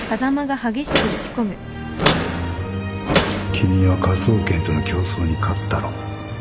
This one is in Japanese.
君は科捜研との競争に勝ったろ